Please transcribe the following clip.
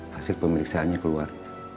hasil pemirsaannya keluar